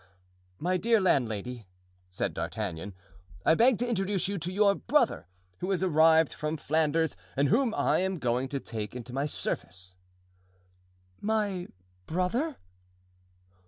"My dear landlady," said D'Artagnan, "I beg to introduce to you your brother, who is arrived from Flanders and whom I am going to take into my service." "My brother?"